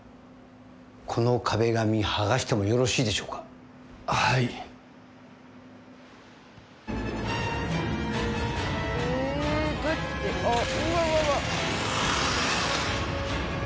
この壁紙剥がしてもよろしいでしょうかはいはあっ！？